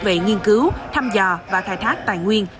về nghiên cứu thăm dò và khai thác tài nguyên